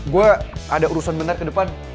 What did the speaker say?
gue ada urusan benar ke depan